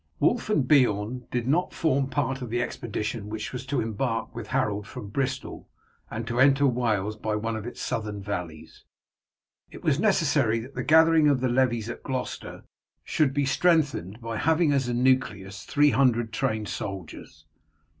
Wulf and Beorn did not form part of the expedition which was to embark with Harold from Bristol, and to enter Wales by one of its southern valleys. It was necessary that the gathering of the levies at Gloucester should be strengthened by having as a nucleus three hundred trained soldiers.